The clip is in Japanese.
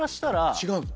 違うの？